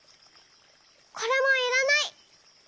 これもいらない。